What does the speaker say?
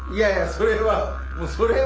それは。